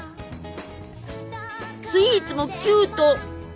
スイーツもキュート！